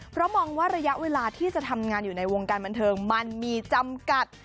เพราะมองว่าระยะเวลาที่จะทำงานอยู่ในวงการบันเทิงมันมีจำกัด